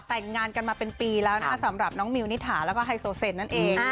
แต่งงานกันมาปีแล้วนะสำหรับน้องมิ๋วนิถาและก็ไฮโซเสนซ์นั้นเอง